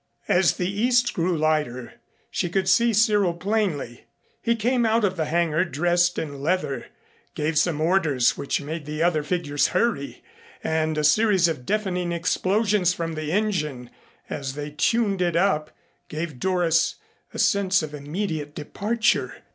As the east grew lighter she could see Cyril plainly. He came out of the hangar dressed in leather, gave some orders which made the other figures hurry and a series of deafening explosions from the engine as they "tuned it up," gave Doris a sense of immediate departure.